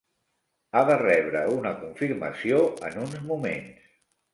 Ha de rebre una confirmació en uns moments.